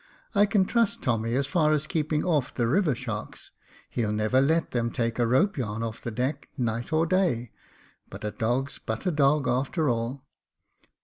I can trust Tommy as far as keeping off the river sharks ; he'll never let them take a rope yarn off the deck, night or day ; but a dog's but a dog, after all.